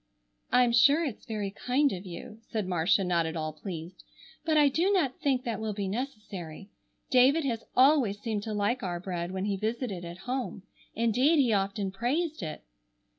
"I'm sure it's very kind of you," said Marcia, not at all pleased, "but I do not think that will be necessary. David has always seemed to like our bread when he visited at home. Indeed he often praised it."